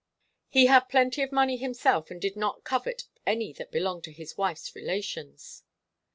He had plenty of money himself and did not covet any that belonged to his wife's relations.